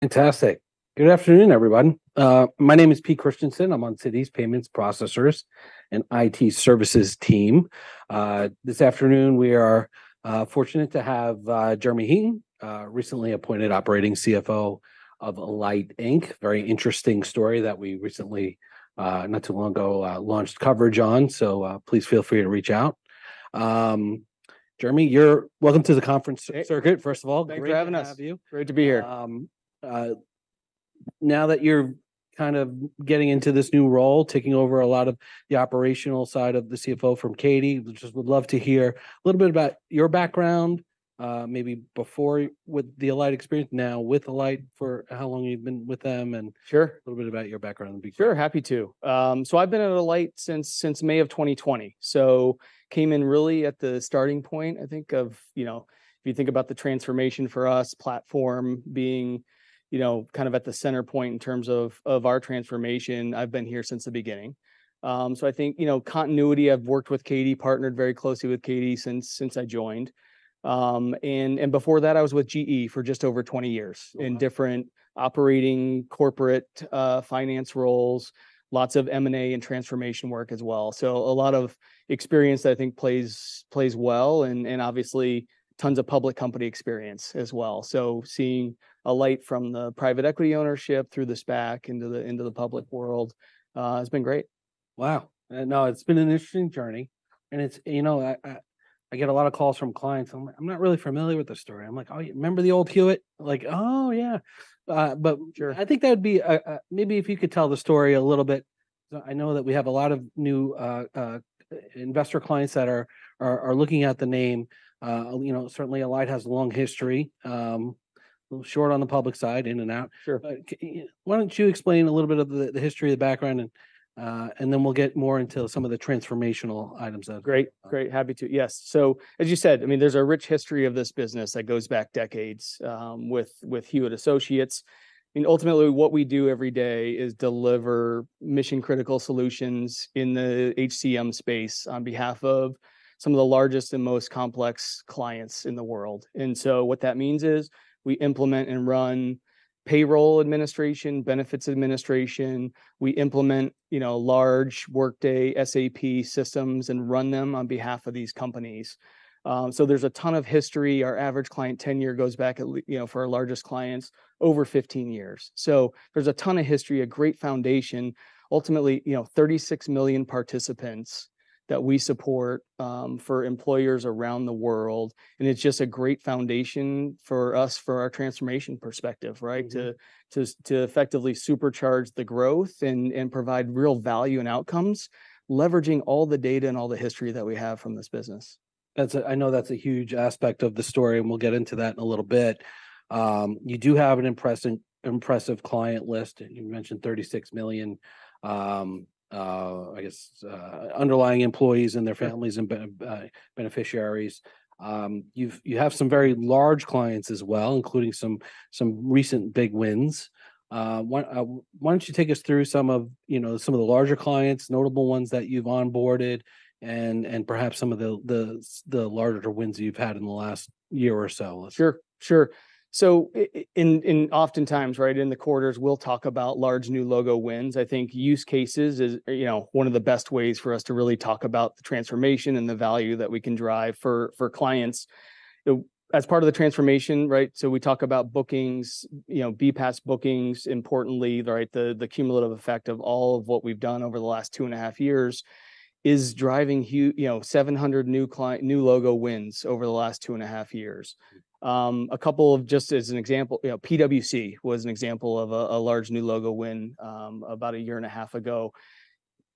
Fantastic! Good afternoon, everyone. My name is Peter Christiansen. I'm on Citi's Payments Processors and IT Services team. This afternoon, we are fortunate to have Jeremy Heaton, recently appointed Operating CFO of Alight Inc. Very interesting story that we recently, not too long ago, launched coverage on, so please feel free to reach out. Jeremy, you're welcome to the conference circuit, first of all- Thanks for having us. Great to have you. Great to be here. Now that you're kind of getting into this new role, taking over a lot of the operational side of the CFO from Katie, we just would love to hear a little bit about your background, maybe before with the Alight experience, now with Alight, for how long you've been with them, and- Sure. A little bit about your background. Sure, happy to. So I've been at Alight since May of 2020. So came in really at the starting point, I think, of, you know, if you think about the transformation for us platform being, you know, kind of at the center point in terms of our transformation. I've been here since the beginning. So I think, you know, continuity, I've worked with Katie, partnered very closely with Katie since I joined. And before that, I was with GE for just over 20 years- Wow!... in different operating corporate finance roles. Lots of M&A and transformation work as well. So a lot of experience I think plays well, and obviously tons of public company experience as well. So seeing Alight from the private equity ownership through the SPAC into the public world has been great. Wow! No, it's been an interesting journey, and it's, you know, I get a lot of calls from clients, and I'm not really familiar with the story. I'm like, "Oh, you remember the old Hewitt?" Like, "Oh, yeah." But- Sure. I think that would be maybe if you could tell the story a little bit. So I know that we have a lot of new investor clients that are looking at the name. You know, certainly Alight has a long history, short on the public side, in and out. Sure. Why don't you explain a little bit of the history, the background, and then we'll get more into some of the transformational items. Great. Great, happy to. Yes. So as you said, I mean, there's a rich history of this business that goes back decades, with, with Hewitt Associates. And ultimately, what we do every day is deliver mission-critical solutions in the HCM space on behalf of some of the largest and most complex clients in the world. And so what that means is, we implement and run payroll administration, benefits administration. We implement, you know, large Workday, SAP systems and run them on behalf of these companies. So there's a ton of history. Our average client tenure goes back you know, for our largest clients, over 15 years. So there's a ton of history, a great foundation. Ultimately, you know, 36 million participants that we support, for employers around the world, and it's just a great foundation for us, for our transformation perspective, right? Mm-hmm. To effectively supercharge the growth and provide real value and outcomes, leveraging all the data and all the history that we have from this business. That's – I know that's a huge aspect of the story, and we'll get into that in a little bit. You do have an impressive, impressive client list, and you mentioned 36 million, I guess, underlying employees and their families- Yeah... and beneficiaries. You have some very large clients as well, including some recent big wins. Why don't you take us through some of, you know, some of the larger clients, notable ones that you've onboarded and perhaps some of the larger wins you've had in the last year or so? Sure, sure. So in, oftentimes, right in the quarters, we'll talk about large new logo wins. I think use cases is, you know, one of the best ways for us to really talk about the transformation and the value that we can drive for, for clients. As part of the transformation, right, so we talk about bookings, you know, BPaaS bookings, importantly, right? The, the cumulative effect of all of what we've done over the last 2.5 years is driving, you know, 700 new logo wins over the last 2.5 years. A couple of just as an example, you know, PwC was an example of a, a large new logo win, about 1.5 years ago.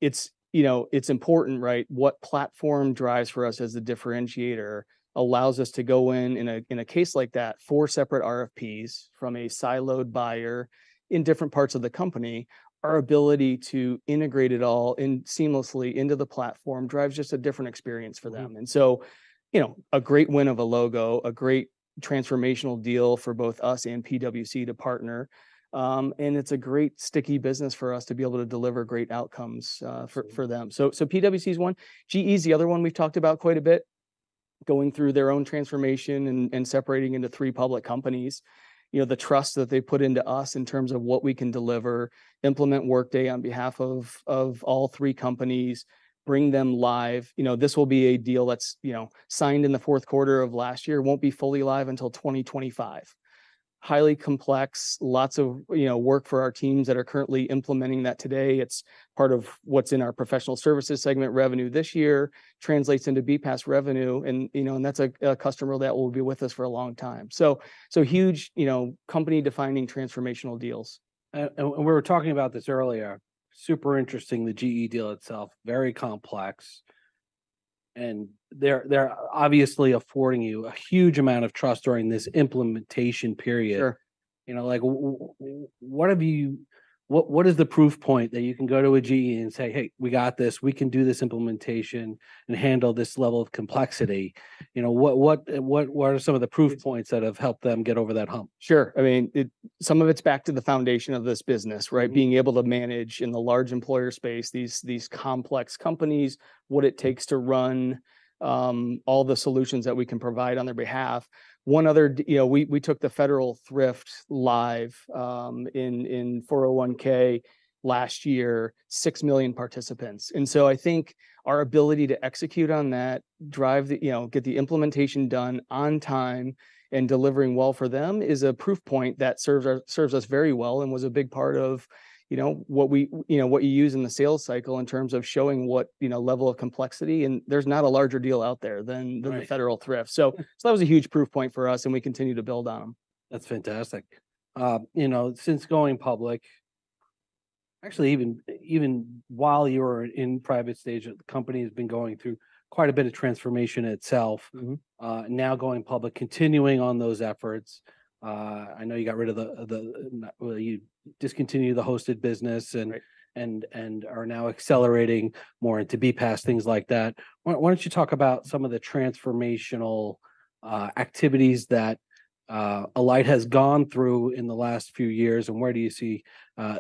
It's, you know, it's important, right? What platform drives for us as a differentiator allows us to go in, in a case like that, four separate RFPs from a siloed buyer in different parts of the company. Our ability to integrate it all in seamlessly into the platform drives just a different experience for them. Mm-hmm. And so, you know, a great win of a logo, a great transformational deal for both us and PwC to partner. And it's a great sticky business for us to be able to deliver great outcomes, for them. Sure. So, PwC is one. GE is the other one we've talked about quite a bit, going through their own transformation and separating into three public companies. You know, the trust that they put into us in terms of what we can deliver, implement Workday on behalf of all three companies, bring them live. You know, this will be a deal that's, you know, signed in the fourth quarter of last year, won't be fully live until 2025. Highly complex, lots of, you know, work for our teams that are currently implementing that today. It's part of what's in our professional services segment. Revenue this year translates into BPaaS revenue, and, you know, and that's a customer that will be with us for a long time. So, huge, you know, company-defining transformational deals. And we were talking about this earlier. Super interesting, the GE deal itself, very complex, and they're obviously affording you a huge amount of trust during this implementation period. Sure.... you know, like, what have you, what is the proof point that you can go to a GE and say, "Hey, we got this. We can do this implementation and handle this level of complexity?" You know, what are some of the proof points that have helped them get over that hump? Sure. I mean, it, some of it's back to the foundation of this business, right? Being able to manage in the large employer space, these, these complex companies, what it takes to run all the solutions that we can provide on their behalf. One other, you know, we took the Federal Thrift live in Q1 last year, 6 million participants. And so I think our ability to execute on that, drive the, you know, get the implementation done on time and delivering well for them, is a proof point that serves us, serves us very well and was a big part of, you know, what we, you know, what you use in the sales cycle in terms of showing what, you know, level of complexity, and there's not a larger deal out there than- Right... the Federal Thrift. So that was a huge proof point for us, and we continue to build on them. That's fantastic. You know, since going public... Actually, even while you were in private stage, the company has been going through quite a bit of transformation itself. Mm-hmm. now going public, continuing on those efforts, I know you got rid of the well, you discontinued the hosted business- Right... and are now accelerating more into BPaaS, things like that. Why don't you talk about some of the transformational activities that Alight has gone through in the last few years, and where do you see,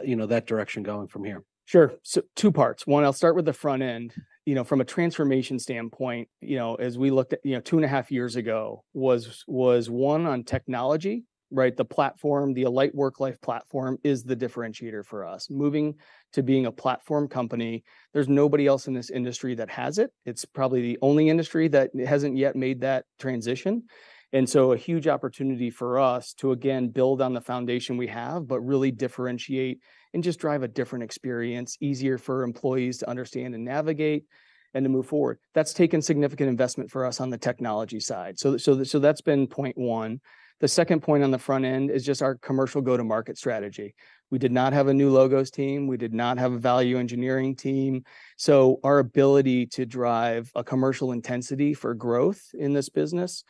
you know, that direction going from here? Sure. So two parts. One, I'll start with the front end. You know, from a transformation standpoint, you know, as we looked at, you know, 2.5 years ago, was one, on technology, right? The platform, the Alight Worklife platform, is the differentiator for us. Moving to being a platform company, there's nobody else in this industry that has it. It's probably the only industry that hasn't yet made that transition. And so a huge opportunity for us to, again, build on the foundation we have, but really differentiate and just drive a different experience, easier for employees to understand and navigate and to move forward. That's taken significant investment for us on the technology side. So that's been point one. The second point on the front end is just our commercial go-to-market strategy. We did not have a new logos team; we did not have a value engineering team. So our ability to drive a commercial intensity for growth in this business,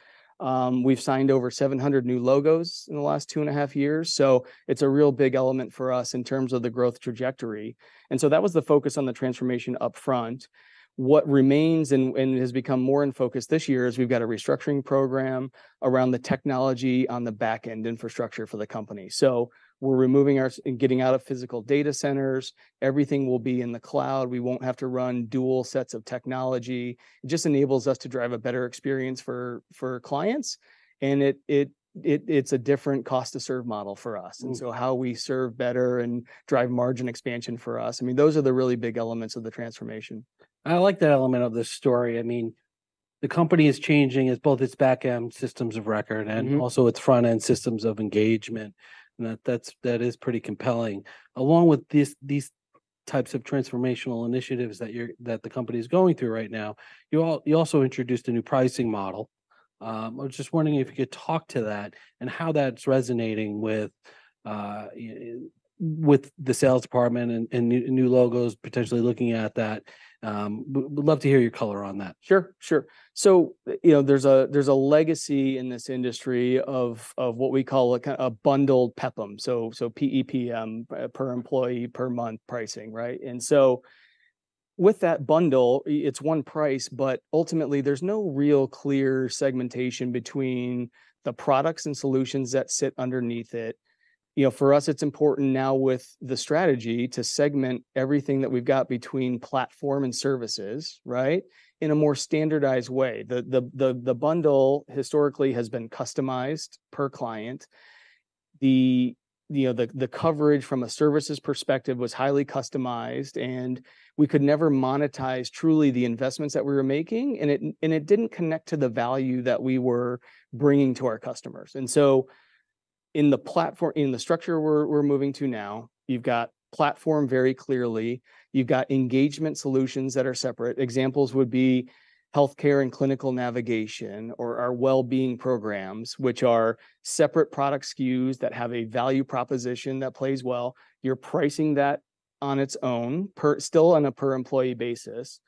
we've signed over 700 new logos in the last two and a half years, so it's a real big element for us in terms of the growth trajectory. And so that was the focus on the transformation upfront. What remains and has become more in focus this year is we've got a restructuring program around the technology on the back-end infrastructure for the company. So we're getting out of physical data centers. Everything will be in the cloud. We won't have to run dual sets of technology. It just enables us to drive a better experience for clients, and it, it's a different cost-to-serve model for us. Mm. And so how we serve better and drive margin expansion for us, I mean, those are the really big elements of the transformation. I like that element of the story. I mean, the company is changing as both its back-end systems of record- Mm-hmm... and also its front-end systems of engagement, and that, that's, that is pretty compelling. Along with these, these types of transformational initiatives that you're-- that the company is going through right now, you also introduced a new pricing model. I was just wondering if you could talk to that and how that's resonating with you with the sales department and new logos potentially looking at that. Would love to hear your color on that. Sure, sure. So, you know, there's a legacy in this industry of what we call a bundled PEPM, so P-E-P-M, per employee per month pricing, right? And so with that bundle, it's one price, but ultimately, there's no real clear segmentation between the products and solutions that sit underneath it. You know, for us, it's important now with the strategy to segment everything that we've got between platform and services, right, in a more standardized way. The bundle historically has been customized per client. You know, the coverage from a services perspective was highly customized, and we could never monetize truly the investments that we were making, and it didn't connect to the value that we were bringing to our customers. And so in the platform, in the structure we're moving to now, you've got platform very clearly, you've got engagement solutions that are separate. Examples would be healthcare and clinical navigation, or our wellbeing programs, which are separate product SKUs that have a value proposition that plays well. You're pricing that on its own, per—still on a per-employee basis,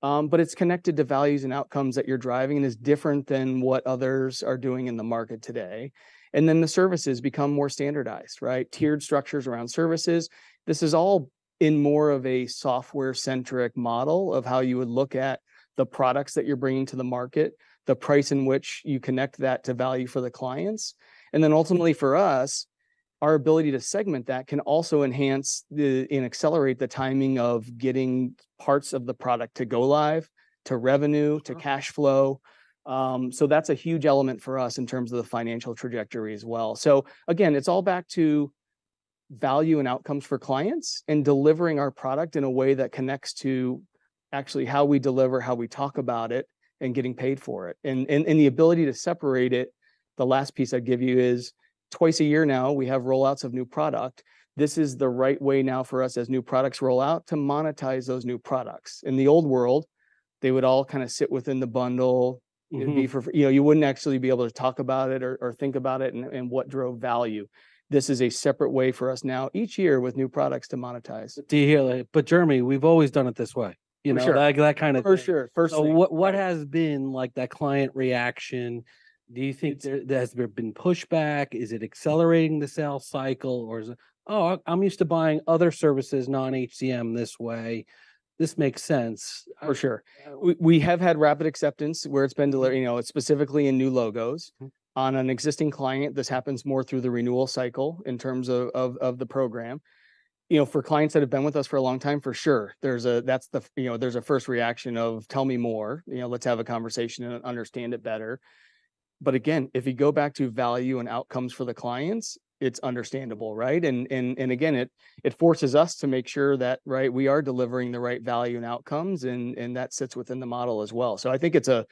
but it's connected to values and outcomes that you're driving and is different than what others are doing in the market today. And then the services become more standardized, right? Tiered structures around services. This is all in more of a software-centric model of how you would look at the products that you're bringing to the market, the price in which you connect that to value for the clients. And then ultimately, for us, our ability to segment that can also enhance the, and accelerate the timing of getting parts of the product to go live, to revenue- Uh-huh.... to cash flow. So that's a huge element for us in terms of the financial trajectory as well. So again, it's all back to value and outcomes for clients and delivering our product in a way that connects to actually how we deliver, how we talk about it, and getting paid for it. And, and, and the ability to separate it, the last piece I'd give you is, twice a year now, we have rollouts of new product. This is the right way now for us as new products roll out, to monetize those new products. In the old world... they would all kind of sit within the bundle. Mm-hmm. It'd be for, you know, you wouldn't actually be able to talk about it or think about it and what drove value. This is a separate way for us now, each year, with new products to monetize. Do you hear that? But Jeremy, we've always done it this way. For sure. You know, like that kind of- For sure. For sure. So what has been like that client reaction? Do you think there has been pushback? Is it accelerating the sales cycle, or is it, "Oh, I'm used to buying other services, non-HCM, this way. This makes sense"? For sure. We have had rapid acceptance where it's been delivered, you know, specifically in new logos. Mm. On an existing client, this happens more through the renewal cycle in terms of the program. You know, for clients that have been with us for a long time, for sure, there's a first reaction of, "Tell me more." You know, "Let's have a conversation and understand it better." But again, if you go back to value and outcomes for the clients, it's understandable, right? And again, it forces us to make sure that, right, we are delivering the right value and outcomes, and that sits within the model as well. So I think it's a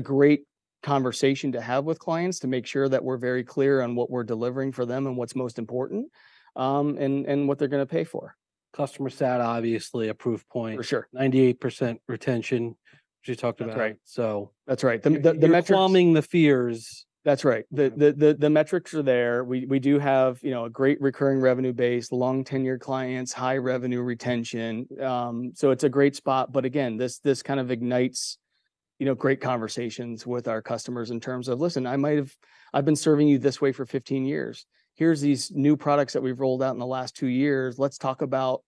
great conversation to have with clients to make sure that we're very clear on what we're delivering for them and what's most important, and what they're gonna pay for. Customer stat, obviously a proof point. For sure. 98% retention, which you talked about. That's right. So- That's right. The metrics- You're calming the fears. That's right. The metrics are there. We do have, you know, a great recurring revenue base, long-tenured clients, high revenue retention. So it's a great spot, but again, this kind of ignites, you know, great conversations with our customers in terms of, "Listen, I might have—I've been serving you this way for 15 years. Here's these new products that we've rolled out in the last two years. Let's talk about,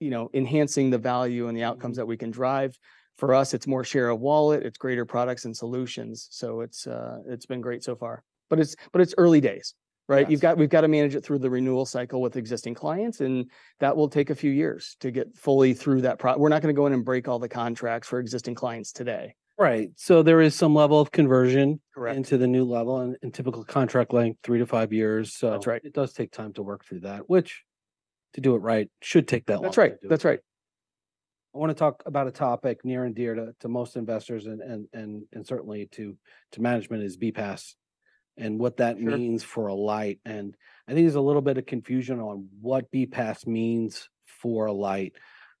you know, enhancing the value and the outcomes that we can drive." For us, it's more share of wallet, it's greater products and solutions. So it's been great so far. But it's early days, right? Yes. We've got to manage it through the renewal cycle with existing clients, and that will take a few years to get fully through that. We're not gonna go in and break all the contracts for existing clients today. Right. So there is some level of conversion- Correct... into the new level, and typical contract length, three-five years, so- That's right. It does take time to work through that, which, to do it right, should take that long. That's right. That's right. I want to talk about a topic near and dear to most investors, and certainly to management, is BPaaS, and what that means- Sure... for Alight. I think there's a little bit of confusion on what BPaaS means for Alight,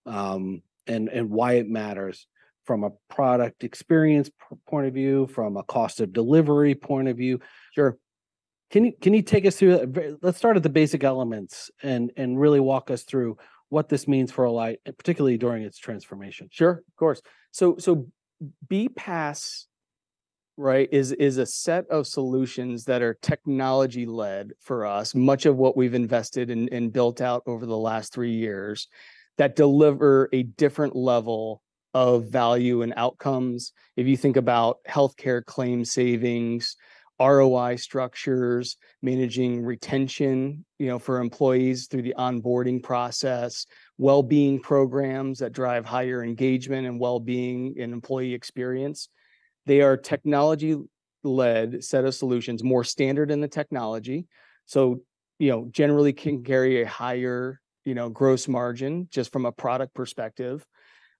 and why it matters from a product experience point of view, from a cost of delivery point of view. Sure. Can you take us through that? Let's start at the basic elements and really walk us through what this means for Alight, and particularly during its transformation. Sure, of course. So BPaaS, right, is a set of solutions that are technology-led for us, much of what we've invested and built out over the last three years, that deliver a different level of value and outcomes. If you think about healthcare claim savings, ROI structures, managing retention, you know, for employees through the onboarding process, wellbeing programs that drive higher engagement and wellbeing and employee experience. They are technology-led set of solutions, more standard in the technology. So, you know, generally can carry a higher, you know, gross margin just from a product perspective.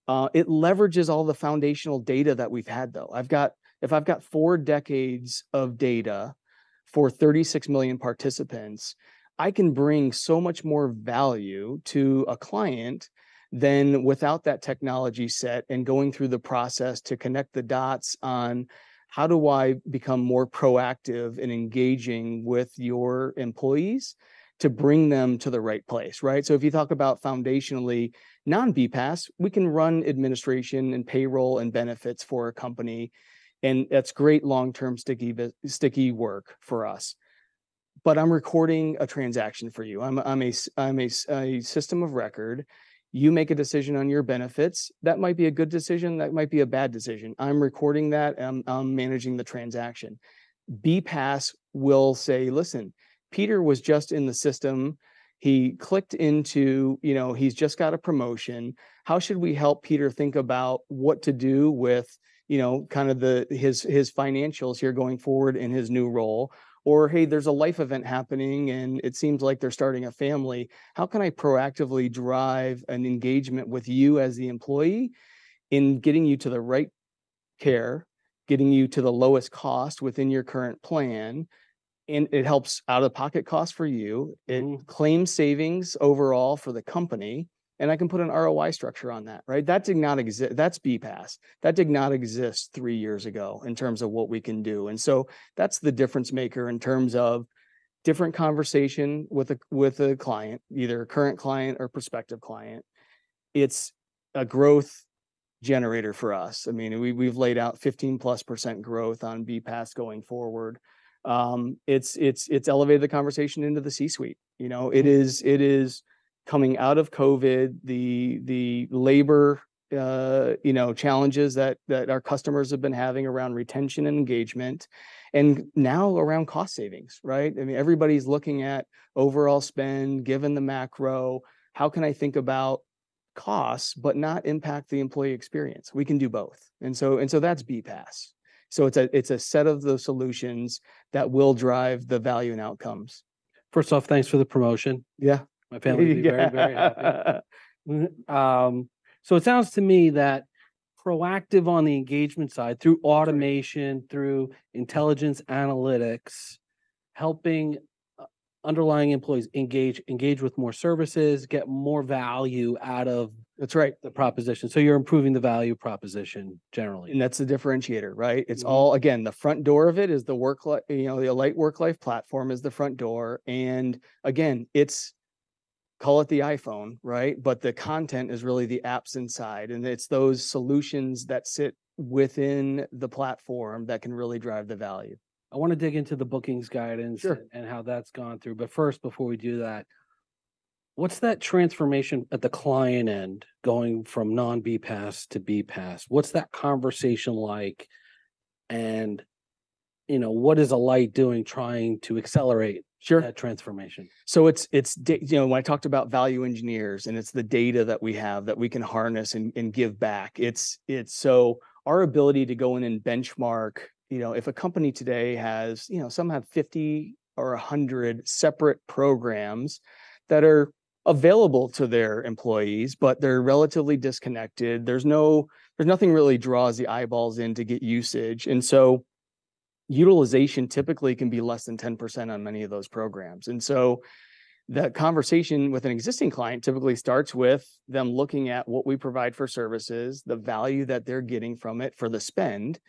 It leverages all the foundational data that we've had, though. I've got. If I've got four decades of data for 36 million participants, I can bring so much more value to a client than without that technology set and going through the process to connect the dots on, how do I become more proactive in engaging with your employees to bring them to the right place, right? So if you talk about foundationally, non-BPaaS, we can run administration and payroll and benefits for a company, and that's great long-term sticky work for us. But I'm recording a transaction for you. I'm a system of record. You make a decision on your benefits. That might be a good decision, that might be a bad decision. I'm recording that, and I'm managing the transaction. BPaaS will say, "Listen, Peter was just in the system. He clicked into, you know, he's just got a promotion. How should we help Peter think about what to do with, you know, kind of the, his, his financials here going forward in his new role?" Or, "Hey, there's a life event happening, and it seems like they're starting a family. How can I proactively drive an engagement with you as the employee in getting you to the right care, getting you to the lowest cost within your current plan?" And it helps out-of-pocket costs for you- Mm... and claim savings overall for the company, and I can put an ROI structure on that, right? That did not exist... That's BPaaS. That did not exist three years ago in terms of what we can do. And so that's the difference maker in terms of different conversation with a, with a client, either a current client or prospective client. It's a growth generator for us. I mean, we, we've laid out 15%+ growth on BPaaS going forward. It's, it's, it's elevated the conversation into the C-suite. You know, it is, it is coming out of COVID, the, the labor, you know, challenges that, that our customers have been having around retention and engagement, and now around cost savings, right? I mean, everybody's looking at overall spend, given the macro, how can I think about costs but not impact the employee experience? We can do both. So that's BPaaS. So it's a set of the solutions that will drive the value and outcomes. First off, thanks for the promotion. Yeah. My family will be very, very happy. So it sounds to me that proactive on the engagement side, through automation- Right... through intelligence analytics, helping... underlying employees engage with more services, get more value out of- That's right. The proposition. So you're improving the value proposition generally? And that's the differentiator, right? Mm. It's all—again, the front door of it is the Worklife—you know, the Alight Worklife Platform is the front door, and again, it's—call it the iPhone, right? But the content is really the apps inside, and it's those solutions that sit within the platform that can really drive the value. I want to dig into the bookings guidance- Sure... and how that's gone through. But first, before we do that, what's that transformation at the client end, going from non-BPaaS to BPaaS? What's that conversation like? And, you know, what is Alight doing, trying to accelerate- Sure... that transformation? So it's you know, when I talked about value engineers, and it's the data that we have that we can harness and give back, it's so our ability to go in and benchmark, you know, if a company today has, you know, some have 50 or 100 separate programs that are available to their employees, but they're relatively disconnected. There's nothing really draws the eyeballs in to get usage, and so utilization typically can be less than 10% on many of those programs. And so, that conversation with an existing client typically starts with them looking at what we provide for services, the value that they're getting from it for the spend,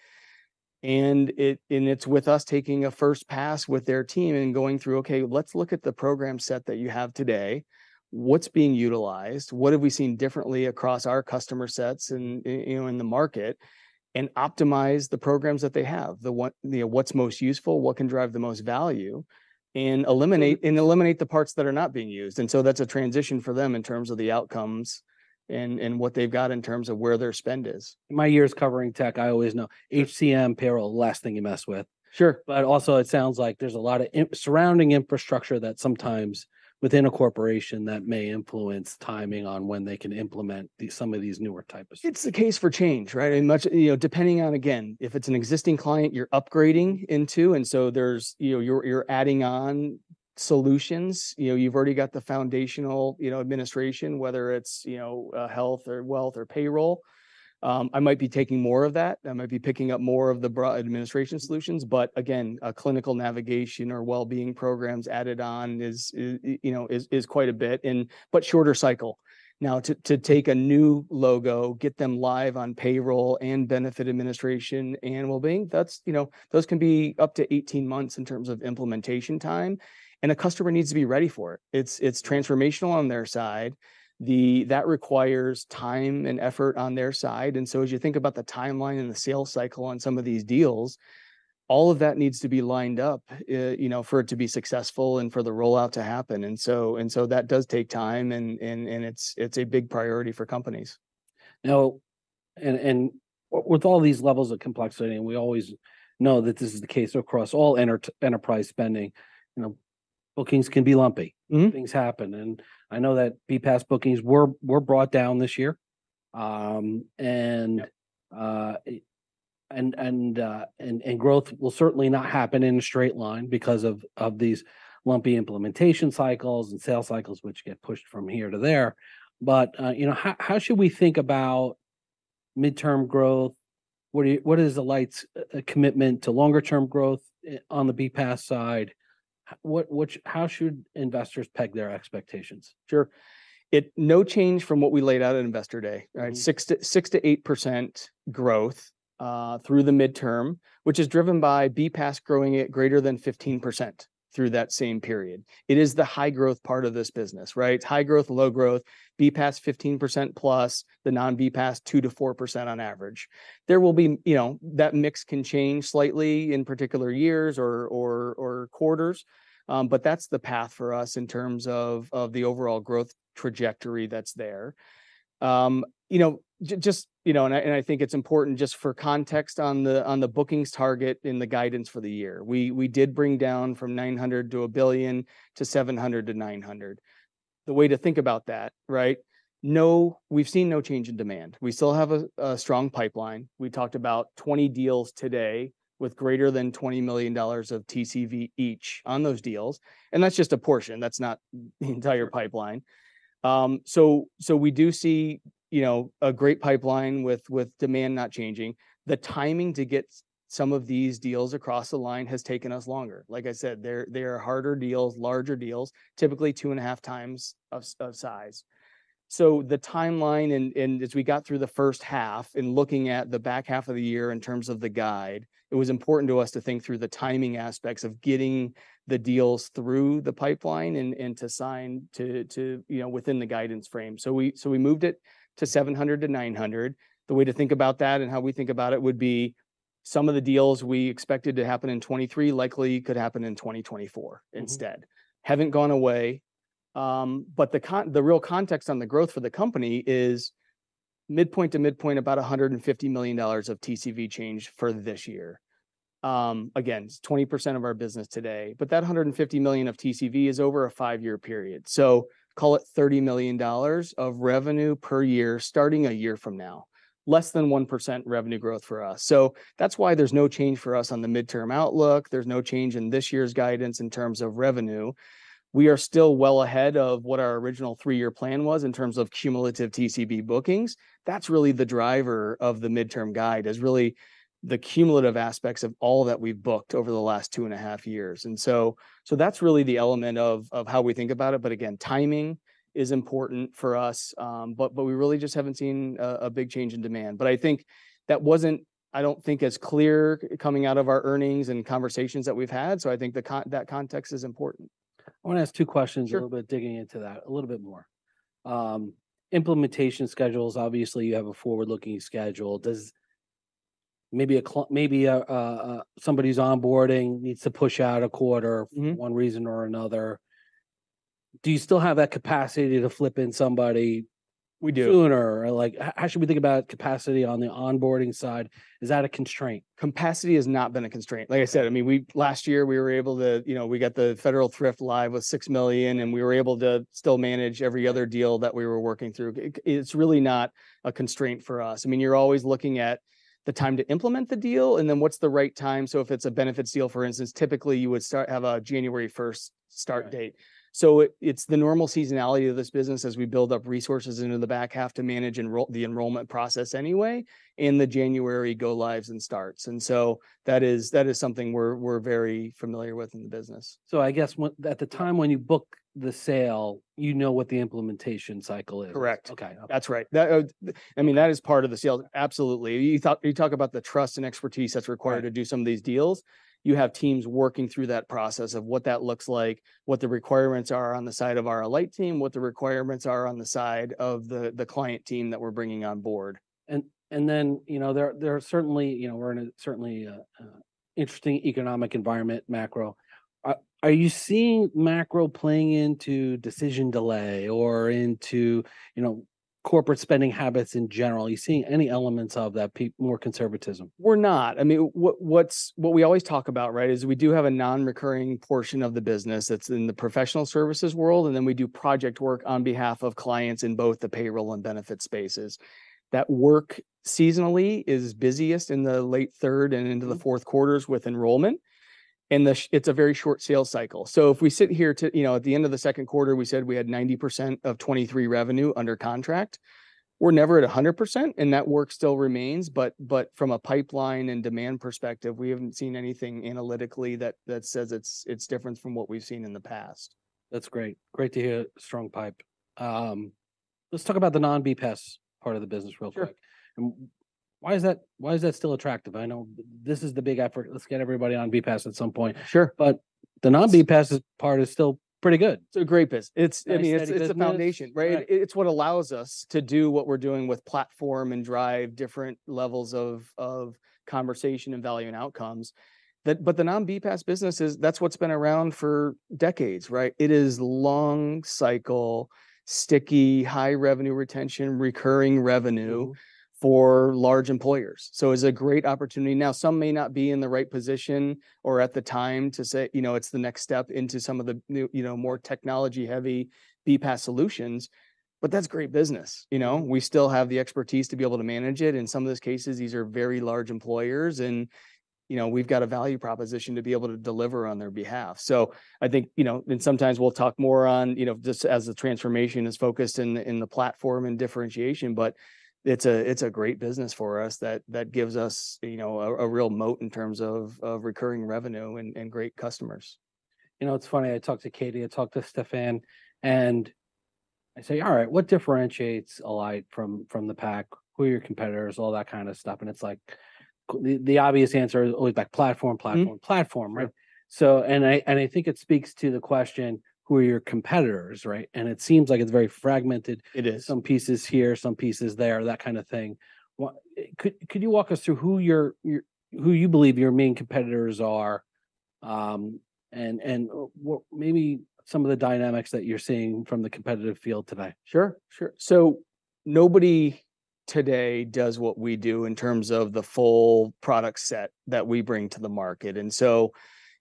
and it's with us taking a first pass with their team and going through, "Okay, let's look at the program set that you have today. What's being utilized? What have we seen differently across our customer sets and, you know, in the market?" And optimize the programs that they have. The what, you know, what's most useful, what can drive the most value, and eliminate- and eliminate the parts that are not being used. And so that's a transition for them in terms of the outcomes and, and what they've got in terms of where their spend is. My years covering tech, I always know- Sure... HCM payroll, last thing you mess with. Sure. But also, it sounds like there's a lot of surrounding infrastructure that sometimes, within a corporation, that may influence timing on when they can implement these, some of these newer types of- It's the case for change, right? And much, you know, depending on, again, if it's an existing client you're upgrading into, and so there's, you know, you're, you're adding on solutions. You know, you've already got the foundational, you know, administration, whether it's, you know, health or wealth or payroll. I might be taking more of that. I might be picking up more of the benefits administration solutions, but again, a clinical navigation or wellbeing programs added on is, you know, is quite a bit in, but shorter cycle. Now, to take a new logo, get them live on payroll and benefit administration and wellbeing, that's, you know, those can be up to 18 months in terms of implementation time, and a customer needs to be ready for it. It's transformational on their side. The... That requires time and effort on their side, and so as you think about the timeline and the sales cycle on some of these deals, all of that needs to be lined up, you know, for it to be successful and for the rollout to happen. And so that does take time, and it's a big priority for companies. Now, with all these levels of complexity, and we always know that this is the case across all enterprise spending, you know, bookings can be lumpy. Mm-hmm. Things happen, and I know that BPaaS bookings were brought down this year. And growth will certainly not happen in a straight line because of these lumpy implementation cycles and sales cycles, which get pushed from here to there. But you know, how should we think about midterm growth? What do you—what is Alight's commitment to longer term growth on the BPaaS side? How should investors peg their expectations? Sure. No change from what we laid out at Investor Day, right? Mm. 6%-8% growth through the midterm, which is driven by BPaaS growing at greater than 15% through that same period. It is the high-growth part of this business, right? High growth, low growth, BPaaS, 15% plus, the non-BPaaS, 2%-4% on average. There will be—you know, that mix can change slightly in particular years or quarters. But that's the path for us in terms of the overall growth trajectory that's there. You know, just, you know, and I think it's important just for context on the bookings target and the guidance for the year. We did bring down from $900 million-$1 billion to $700 million-$900 million. The way to think about that, right? No, we've seen no change in demand. We still have a strong pipeline. We talked about 20 deals today with greater than $20 million of TCV each on those deals. That's just a portion, that's not the entire pipeline. So we do see, you know, a great pipeline with demand not changing. The timing to get some of these deals across the line has taken us longer. Like I said, they are harder deals, larger deals, typically 2.5 times of size. So the timeline and as we got through the first half, in looking at the back half of the year in terms of the guide, it was important to us to think through the timing aspects of getting the deals through the pipeline and to sign to, to, you know, within the guidance frame. So we, so we moved it to 700-900. The way to think about that, and how we think about it, would be some of the deals we expected to happen in 2023 likely could happen in 2024- Mm-hmm... instead. Haven't gone away, but the real context on the growth for the company is midpoint to midpoint, about $150 million of TCV change for this year. Again, it's 20% of our business today, but that $150 million of TCV is over a five-year period. So call it $30 million of revenue per year, starting a year from now. Less than 1% revenue growth for us. So that's why there's no change for us on the midterm outlook. There's no change in this year's guidance in terms of revenue. We are still well ahead of what our original three-year plan was in terms of cumulative TCV bookings. That's really the driver of the midterm guide, is really the cumulative aspects of all that we've booked over the last two and a half years. And so that's really the element of how we think about it, but again, timing is important for us. But we really just haven't seen a big change in demand. But I think that wasn't, I don't think, as clear coming out of our earnings and conversations that we've had, so I think that context is important.... I want to ask two questions- Sure. a little bit, digging into that a little bit more. Implementation schedules, obviously, you have a forward-looking schedule. Does maybe somebody's onboarding needs to push out a quarter- Mm-hmm. for one reason or another, do you still have that capacity to flip in somebody? We do. Sooner? Or like, how should we think about capacity on the onboarding side? Is that a constraint? Capacity has not been a constraint. Like I said, I mean, we last year, we were able to... You know, we got the Federal Thrift live with 6 million, and we were able to still manage every other deal that we were working through. It, it's really not a constraint for us. I mean, you're always looking at the time to implement the deal, and then what's the right time? So if it's a benefits deal, for instance, typically you would start, have a January 1st start date. Right. So it's the normal seasonality of this business as we build up resources into the back half to manage the enrollment process anyway, and the January go-lives and starts. And so that is something we're very familiar with in the business. So I guess at the time when you book the sale, you know what the implementation cycle is? Correct. Okay. That's right. That, I mean, that is part of the sales, absolutely. You talk, you talk about the trust and expertise that's required- Right... to do some of these deals. You have teams working through that process of what that looks like, what the requirements are on the side of our Alight team, what the requirements are on the side of the, the client team that we're bringing on board. And then, you know, there are certainly... You know, we're in a certainly interesting economic environment, macro. Are you seeing macro playing into decision delay or into, you know, corporate spending habits in general? Are you seeing any elements of that more conservatism? We're not. I mean, what we always talk about, right, is we do have a non-recurring portion of the business that's in the professional services world, and then we do project work on behalf of clients in both the payroll and benefit spaces. That work seasonally is busiest in the late third and into- Mm... the fourth quarters with enrollment, and it's a very short sales cycle. So if we sit here to, you know, at the end of the second quarter, we said we had 90% of 2023 revenue under contract. We're never at 100%, and that work still remains, but from a pipeline and demand perspective, we haven't seen anything analytically that says it's different from what we've seen in the past. That's great. Great to hear strong pipe. Let's talk about the non-BPaaS part of the business real quick. Sure. Why is that, why is that still attractive? I know this is the big effort. Let's get everybody on BPaaS at some point. Sure. But the non-BPaaS part is still pretty good. It's a great biz. It's- I mean, it's, it's a foundation, right? Right. It's what allows us to do what we're doing with platform and drive different levels of conversation and value and outcomes. That, but the non-BPaaS business is, that's what's been around for decades, right? It is long cycle, sticky, high revenue retention, recurring revenue- Mm... for large employers. So it's a great opportunity. Now, some may not be in the right position or at the time to say, you know, it's the next step into some of the new, you know, more technology-heavy BPaaS solutions, but that's great business. You know, we still have the expertise to be able to manage it. In some of these cases, these are very large employers, and, you know, we've got a value proposition to be able to deliver on their behalf. So I think, you know, and sometimes we'll talk more on, you know, just as the transformation is focused in the, in the platform and differentiation, but it's a, it's a great business for us that, that gives us, you know, a, a real moat in terms of, of recurring revenue and, and great customers. You know, it's funny. I talked to Katie, I talked to Stephan, and I say: "All right, what differentiates Alight from, from the pack? Who are your competitors?" All that kind of stuff. And it's like, the, the obvious answer is always about platform- Mm... platform, right? Yeah. I think it speaks to the question, who are your competitors, right? And it seems like it's very fragmented. It is. Some pieces here, some pieces there, that kind of thing. Could you walk us through who you believe your main competitors are, and maybe some of the dynamics that you're seeing from the competitive field today? Sure, sure. So nobody today does what we do in terms of the full product set that we bring to the market. And so,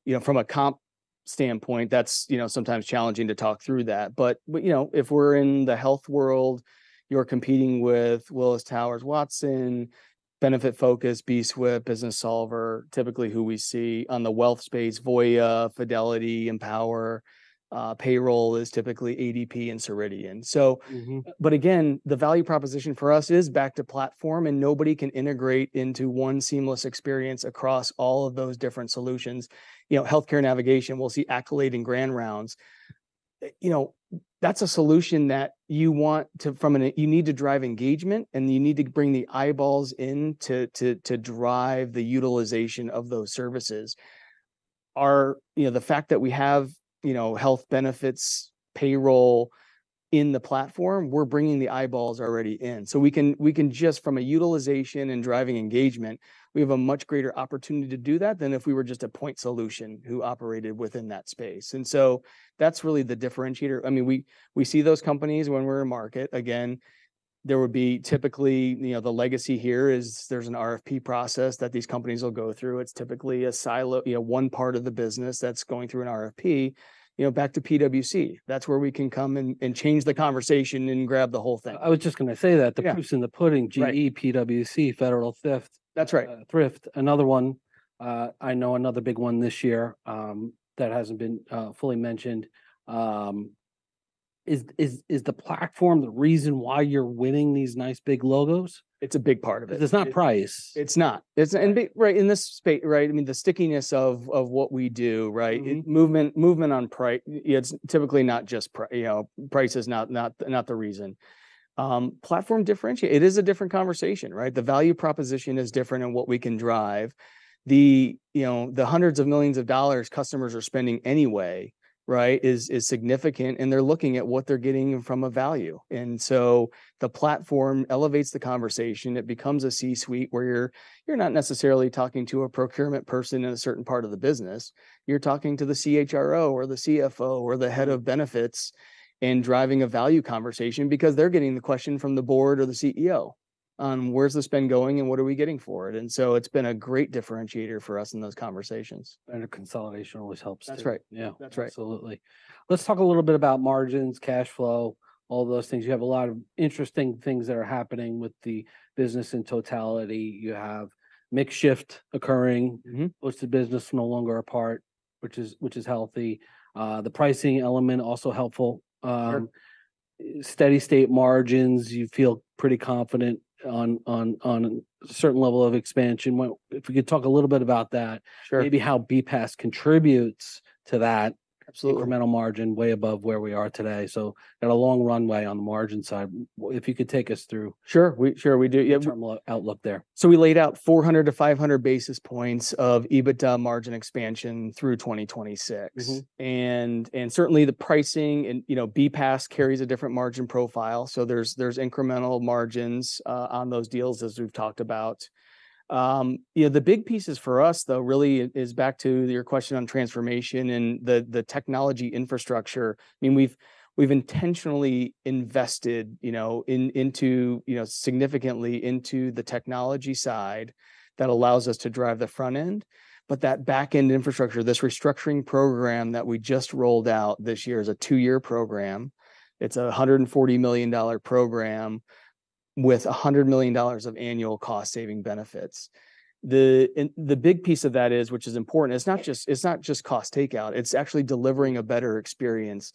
you know, from a comp standpoint, that's, you know, sometimes challenging to talk through that. But, but, you know, if we're in the health world, you're competing with Willis Towers Watson, Benefitfocus, bswift, Businessolver, typically who we see. On the wealth space, Voya, Fidelity, Empower. Payroll is typically ADP and Ceridian. So- Mm-hmm. But again, the value proposition for us is back to platform, and nobody can integrate into one seamless experience across all of those different solutions. You know, healthcare navigation, we'll see Accolade and Grand Rounds. You know, that's a solution that you want to, from an... You need to drive engagement, and you need to bring the eyeballs in to, to, to drive the utilization of those services. Our... You know, the fact that we have, you know, health benefits, payroll in the platform, we're bringing the eyeballs already in. So we can, we can just from a utilization and driving engagement, we have a much greater opportunity to do that than if we were just a point solution who operated within that space. And so that's really the differentiator. I mean, we, we see those companies when we're in market. Again, there would be typically, you know, the legacy here is there's an RFP process that these companies will go through. It's typically a silo, you know, one part of the business that's going through an RFP. You know, back to PwC, that's where we can come and, and change the conversation and grab the whole thing. I was just gonna say that. Yeah. The proof's in the pudding- Right... GE, PwC, Federal Thrift. That's right. Thrift, another one. I know another big one this year that hasn't been fully mentioned. Is the platform the reason why you're winning these nice big logos? It's a big part of it. It's not price. It's not. It's big, right? In this space, right? I mean, the stickiness of what we do, right? Mm-hmm. Movement on price—it's typically not just price, you know. Price is not the reason. Platform differentiation—it is a different conversation, right? The value proposition is different in what we can drive. You know, the hundreds of millions of dollars customers are spending anyway, right, is significant, and they're looking at what they're getting from a value. And so the platform elevates the conversation. It becomes a C-suite, where you're not necessarily talking to a procurement person in a certain part of the business, you're talking to the CHRO or the CFO or the head of benefits and driving a value conversation because they're getting the question from the board or the CEO on where's the spend going and what are we getting for it? And so it's been a great differentiator for us in those conversations. The consolidation always helps. That's right. Yeah. That's right. Absolutely. Let's talk a little bit about margins, cash flow, all those things. You have a lot of interesting things that are happening with the business in totality. You have mix shift occurring- Mm-hmm... most of the business no longer a part, which is healthy. The pricing element also helpful. Sure... steady state margins, you feel pretty confident on certain level of expansion. What if you could talk a little bit about that- Sure... maybe how BPaaS contributes to that- Absolutely... incremental margin way above where we are today. So got a long runway on the margin side. If you could take us through- Sure. Sure we do. Yeah.... term outlook there. We laid out 400-500 basis points of EBITDA margin expansion through 2026. Mm-hmm. Certainly the pricing and, you know, BPaaS carries a different margin profile, so there's incremental margins on those deals, as we've talked about. You know, the big pieces for us, though, really is back to your question on transformation and the technology infrastructure. I mean, we've intentionally invested, you know, into, you know, significantly into the technology side that allows us to drive the front end. But that back end infrastructure, this restructuring program that we just rolled out this year, is a two-year program. It's a $140 million program with $100 million of annual cost saving benefits. The big piece of that is, which is important, it's not just cost takeout, it's actually delivering a better experience.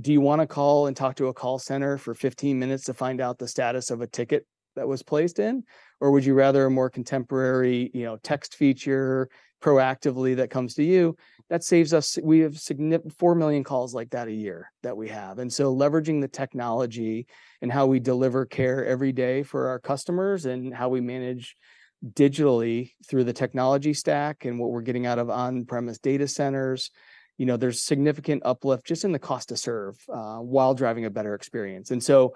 Do you want to call and talk to a call center for 15 minutes to find out the status of a ticket that was placed in? Or would you rather a more contemporary, you know, text feature proactively that comes to you? That saves us. We have significantly 4 million calls like that a year, that we have. And so leveraging the technology and how we deliver care every day for our customers, and how we manage digitally through the technology stack, and what we're getting out of on-premise data centers, you know, there's significant uplift just in the cost to serve while driving a better experience. And so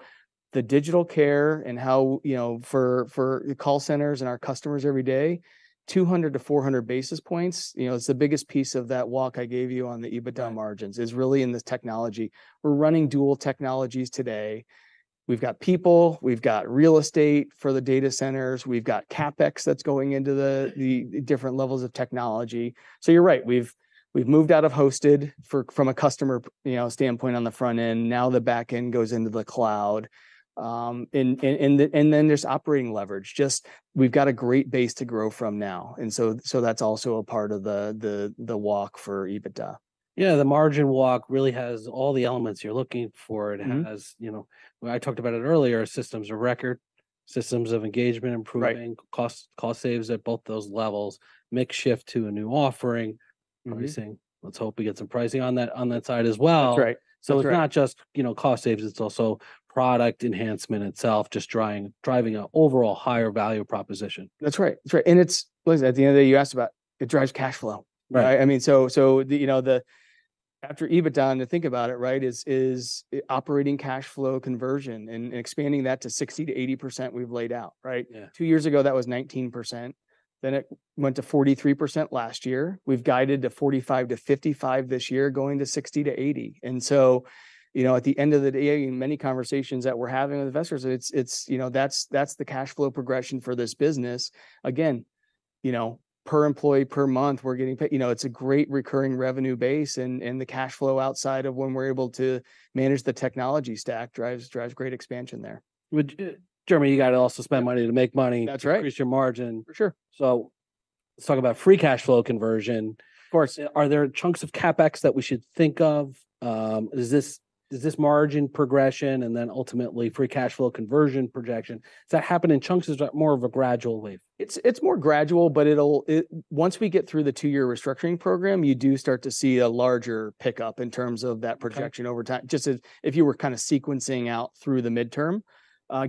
the digital care and how, you know, for the call centers and our customers every day, 200-400 basis points, you know, it's the biggest piece of that walk I gave you on the EBITDA margins- Mm... is really in the technology. We're running dual technologies today. We've got people, we've got real estate for the data centers, we've got CapEx that's going into the different levels of technology. So you're right, we've moved out of hosted from a customer, you know, standpoint on the front end. Now the back end goes into the cloud. And then there's operating leverage. Just, we've got a great base to grow from now, and so that's also a part of the walk for EBITDA. Yeah, the margin walk really has all the elements you're looking for. Mm-hmm. It has, you know, I talked about it earlier, systems of record, systems of engagement improvement- Right... cost, cost savings at both those levels, mix shift to a new offering. Mm-hmm. Pricing. Let's hope we get some pricing on that, on that side as well. That's right. So it's not just- Correct... you know, cost savings, it's also product enhancement itself, just driving an overall higher value proposition. That's right. That's right, and it's... Listen, at the end of the day, you asked about, it drives cash flow. Right. I mean, so, you know, after EBITDA, and to think about it, right, is operating cash flow conversion, and expanding that to 60%-80% we've laid out, right? Yeah. Two years ago, that was 19%, then it went to 43% last year. We've guided to 45%-55% this year, going to 60%-80%. And so, you know, at the end of the day, in many conversations that we're having with investors, it's, it's, you know, that's, that's the cash flow progression for this business. Again, you know, per employee per month, we're getting paid... You know, it's a great recurring revenue base, and, and the cash flow outside of when we're able to manage the technology stack, drives, drives great expansion there. Jeremy, you gotta also spend money to make money- That's right... increase your margin. For sure. Let's talk about free cash flow conversion. Of course. Are there chunks of CapEx that we should think of? Does this, does this margin progression and then ultimately free cash flow conversion projection, does that happen in chunks, or is it more of a gradual wave? It's more gradual, but it'll, once we get through the two-year restructuring program, you do start to see a larger pickup in terms of that projection. Okay... over time, just as if you were kind of sequencing out through the midterm.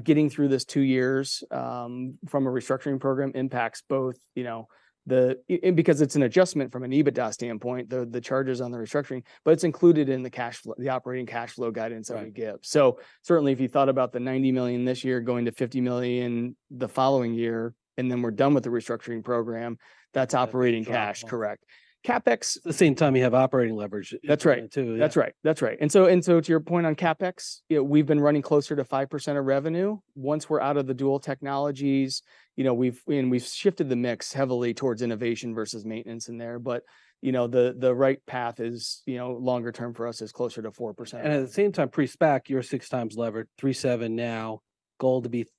Getting through this two years from a restructuring program impacts both, you know, the... A- and because it's an adjustment from an EBITDA standpoint, the charges on the restructuring, but it's included in the cash flow, the operating cash flow guidance- Right... that we give. So certainly, if you thought about the $90 million this year going to $50 million the following year, and then we're done with the restructuring program, that's operating cash. Correct. CapEx- At the same time, you have operating leverage- That's right... too. That's right, that's right. And so, and so to your point on CapEx, you know, we've been running closer to 5% of revenue. Once we're out of the dual technologies, you know, we've, and we've shifted the mix heavily towards innovation versus maintenance in there, but, you know, the right path is, you know, longer term for us is closer to 4%. At the same time, pre-SPAC, you're 6x levered, 3.7 now, goal to be th-...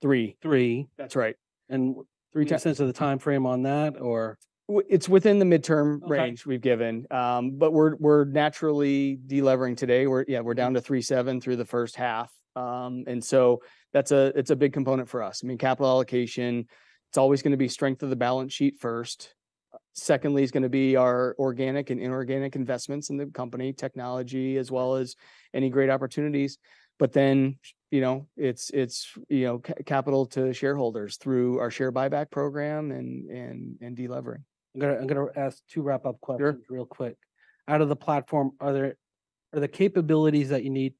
three. Three. That's right. And three- Yeah Sense of the timeframe on that, or? It's within the midterm. Okay... range we've given. But we're naturally de-levering today. We're, yeah, down to 3.7 through the first half. And so that's a big component for us. I mean, capital allocation, it's always gonna be strength of the balance sheet first. Secondly, it's gonna be our organic and inorganic investments in the company, technology, as well as any great opportunities. But then, you know, it's capital to shareholders through our share buyback program and de-levering. I'm gonna ask two wrap-up questions- Sure... real quick. Out of the platform, are the capabilities that you need...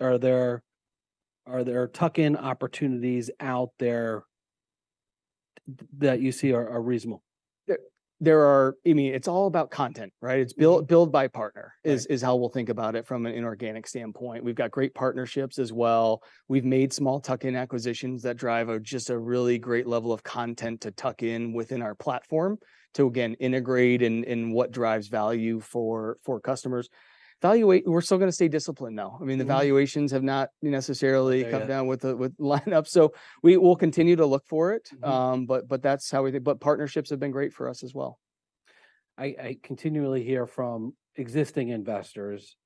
Are there tuck-in opportunities out there that you see are reasonable? There are... I mean, it's all about content, right? Mm. It's built by partner- Right... is, is how we'll think about it from an inorganic standpoint. We've got great partnerships as well. We've made small tuck-in acquisitions that drive a just a really great level of content to tuck in within our platform, to again, integrate in, in what drives value for, for customers. Valuations - we're still gonna stay disciplined, though. Mm. I mean, the valuations have not necessarily- Yeah... come down with the lineup so we'll continue to look for it. Mm-hmm. But, but that's how we think... But partnerships have been great for us as well. I, I continually hear from existing investors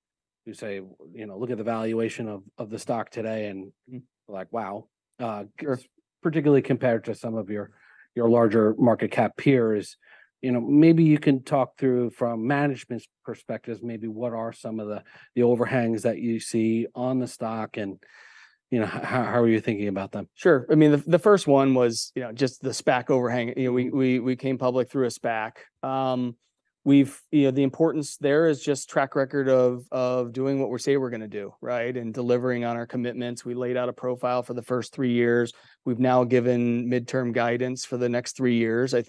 who say, "You know, look at the valuation of, of the stock today," and- Mm... like, "Wow! Sure... particularly compared to some of your, your larger market cap peers. You know, maybe you can talk through from management's perspectives, maybe what are some of the, the overhangs that you see on the stock, and, you know, how are you thinking about them? Sure. I mean, the first one was, you know, just the SPAC overhang. You know, we came public through a SPAC. You know, the importance there is just track record of doing what we say we're gonna do, right? And delivering on our commitments. We laid out a profile for the first three years. We've now given midterm guidance for the next three years. I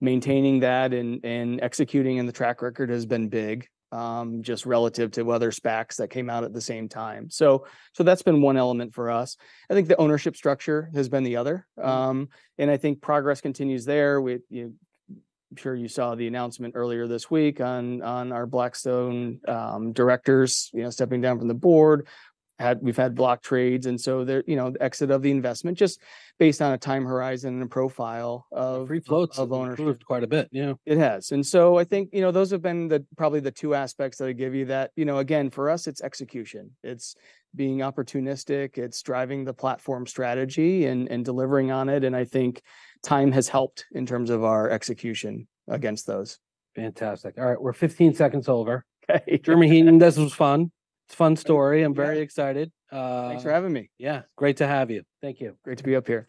think maintaining that and executing, and the track record has been big, just relative to other SPACs that came out at the same time. So that's been one element for us. I think the ownership structure has been the other. And I think progress continues there. I'm sure you saw the announcement earlier this week on our Blackstone directors, you know, stepping down from the board. We've had block trades, and so they're, you know, the exit of the investment, just based on a time horizon and a profile of- Free floats... of ownership. Improved quite a bit, yeah. It has. And so I think, you know, those have been the, probably the two aspects that I'd give you that- You know, again, for us, it's execution. It's being opportunistic, it's driving the platform strategy and, and delivering on it, and I think time has helped in terms of our execution against those. Fantastic. All right, we're 15 seconds over. Okay. Jeremy Heaton, this was fun. It's a fun story. Yeah. I'm very excited. Thanks for having me. Yeah, great to have you. Thank you. Great to be up here. Thanks.